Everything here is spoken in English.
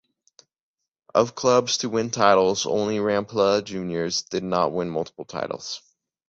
Of clubs to win titles, only Rampla Juniors did not win multiple titles.